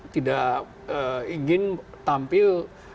tidak ingin tampil